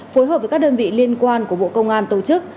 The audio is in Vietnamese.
phối hợp với các đơn vị liên quan của bộ công an tổ chức